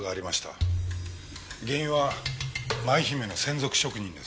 原因はマイヒメの専属職人です。